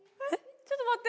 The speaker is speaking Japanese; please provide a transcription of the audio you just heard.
ちょっと待って。